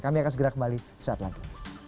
kami akan segera kembali saat lagi